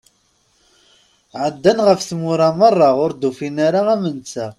Ɛeddan ɣef tmura meṛṛa ur d-ufan ara am netta.